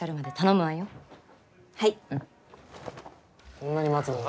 こんなに待つのか？